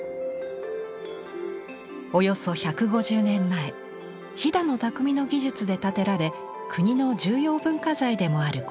およそ１５０年前飛騨の匠の技術で建てられ国の重要文化財でもあるこの建物。